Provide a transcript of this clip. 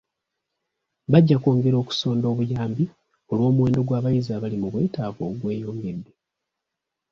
Bajja kwongera okusonda obuyambi olw'omuwendo gw'abayizi abali mu bwetaavu ogweyongedde.